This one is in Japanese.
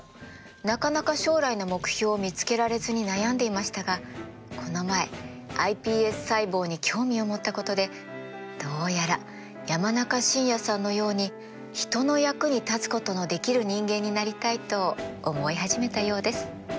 なかなか将来の目標を見つけられずに悩んでいましたがこの前ｉＰＳ細胞に興味を持ったことでどうやら山中伸弥さんのように人の役に立つことのできる人間になりたいと思い始めたようです。